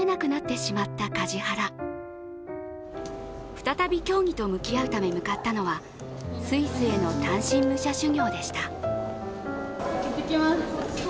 再び競技と向き合うため向かったのはスイスへの単身武者修行でした。